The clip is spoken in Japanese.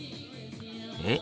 えっ？